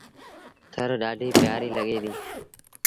ٿر ڏآڍيٚ پيٚآريٚ لڳي ديٚ۔